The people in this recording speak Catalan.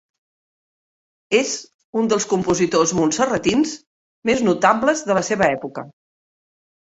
És un dels compositors montserratins més notables de la seva època.